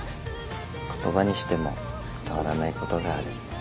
言葉にしても伝わらないことがある。